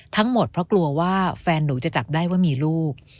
ทั้งหมดเพราะกลัวว่าแฟนหนูจะจับได้ว่ามีลูก